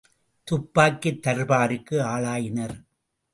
துப்பாக்கித் தர்பாருக்கு ஆளாயினர்.